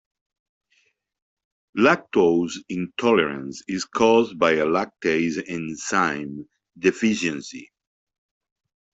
Lactose intolerance is caused by a lactase enzyme deficiency.